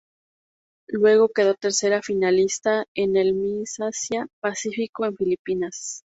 Luego quedó tercera finalista en el Miss Asia-Pacífico en Filipinas.